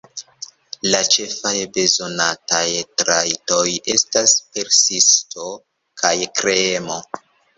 La ĉefaj bezonataj trajtoj estas persisto kaj kreemo.